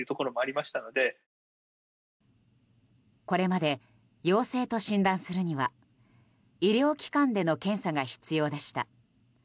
これまで陽性と診断するには医療機関での検査が必要でした。